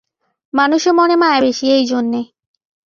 মানুষের মনে মায়া বেশি, এই জন্যে।